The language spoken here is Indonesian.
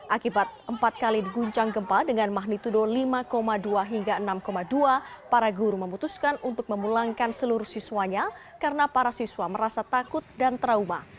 akibat empat kali diguncang gempa dengan magnitudo lima dua hingga enam dua para guru memutuskan untuk memulangkan seluruh siswanya karena para siswa merasa takut dan trauma